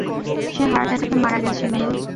সে heart অ্যাটাকে মারা গেছে, মেল।